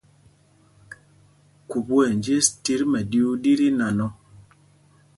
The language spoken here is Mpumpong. Khubú ɛ njes tit mɛɗyuu ɗí tí nan ɔ.